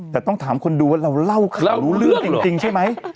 แต่ต้องถามคนดูว่าเราเล่าข่าวรู้เรื่องจริงใช่ไหม